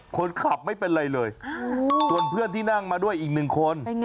คนขับไม่เป็นไรเลยส่วนเพื่อนที่นั่งมาด้วยอีกหนึ่งคน